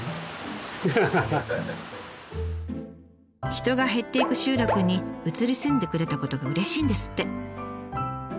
人が減っていく集落に移り住んでくれたことがうれしいんですって。